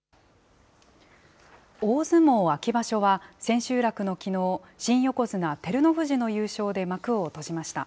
大相撲秋場所は、千秋楽のきのう、新横綱・照ノ富士の優勝で幕を閉じました。